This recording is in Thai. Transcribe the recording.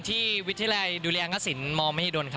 ที่วิทยาลัยดูเลียนฮดสิงฮศมมภิษฐน